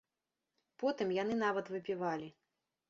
Потым яны нават выпівалі.